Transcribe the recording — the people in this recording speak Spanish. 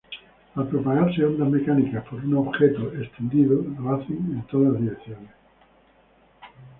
Al propagarse ondas mecánicas por un objeto extendido, lo hacen en todas direcciones.